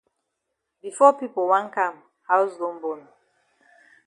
Before pipo wan kam haus don bon.